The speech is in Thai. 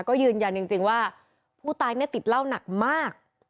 ก็ยืนยันจริงว่าผู้ตายเนี่ยติดเหล้าหนักมาก